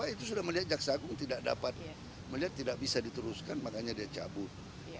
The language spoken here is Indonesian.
itu sudah melihat jaksa agung tidak dapat melihat tidak bisa diteruskan makanya dia cabut